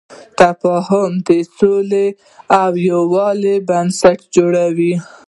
تفاهم د سولې او یووالي بنسټ جوړوي.